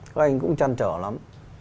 các anh cũng trăn trở lắm